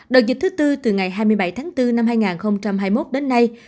đợt dịch thứ tư từ ngày hai mươi bảy tháng bốn năm hai nghìn hai mươi một đến nay